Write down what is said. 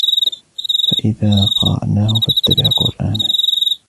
فَإِذَا قَرَأْنَاهُ فَاتَّبِعْ قُرْآنَهُ